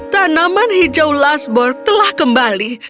tanaman hijau lasburg telah kembali